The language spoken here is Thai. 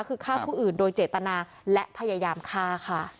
คือฆ่าผู้อื่นโดยเจตนาและพยายามฆ่าค่ะ